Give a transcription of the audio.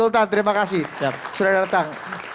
sultan terima kasih sudah datang